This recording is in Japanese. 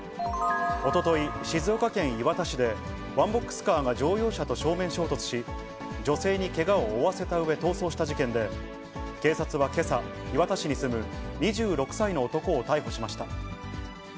おととい、静岡県磐田市でワンボックスカーが乗用車と正面衝突し、女性にけがを負わせたうえ逃走した事件で、警察はけさ、磐田市に住む２６歳の男を逮捕しました。